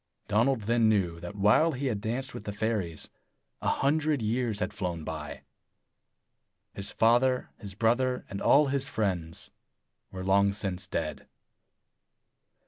Donald then knew that while he had danced with the fairies, a hundred years had flown by. His father, his brother, and all his friends were long since dead.